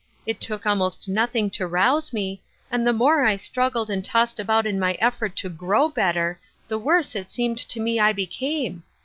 It took almost nothing to rouse me, and the more I struggled and tossed about in my effort to grow better the worse it seemed to me I became.